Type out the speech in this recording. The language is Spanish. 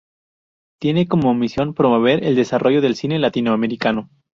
Tiene como misión promover el desarrollo del cine de Latinoamericano.